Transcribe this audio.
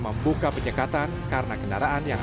membuka penyekatan karena kendaraan yang